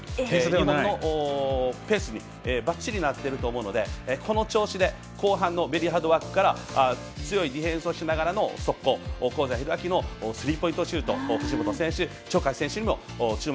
日本のペースにばっちりなっていると思うのでこの調子で後半のベリーハードワークから強いディフェンスをしながらの速攻香西宏昭のスリーポイント藤本選手、鳥海選手にも注目。